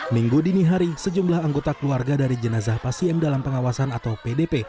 minggu dini hari sejumlah anggota keluarga dari jenazah pasien dalam pengawasan atau pdp